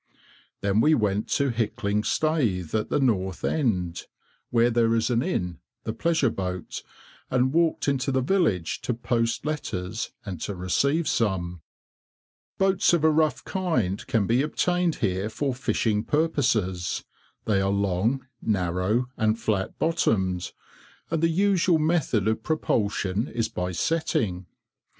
Then we went to Hickling staithe, at the north end, where there is an inn, the "Pleasure Boat," and walked into the village to post letters, and to receive some. Boats of a rough kind can be obtained here for fishing purposes. They are long, narrow, and flat bottomed, and the usual method of propulsion is by "setting."